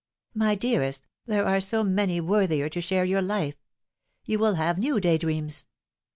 u My dearest, there are so many worthier to share your life. You will have new day dreams."